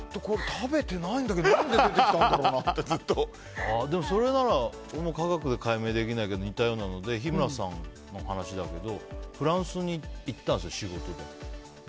食べてないんだけど、何でそれなら俺も科学で解明できないけど似たようなので日村さんの話だけどフランスに行ったんです、仕事で。